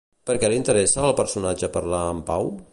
Per què l'interessa al personatge parlar amb Pau?